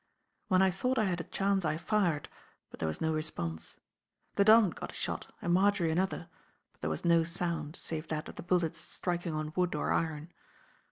When I thought I had a chance I fired, but there was no response; the Don got a shot and Marjory another, but there was no sound, save that of the bullets striking on wood or iron.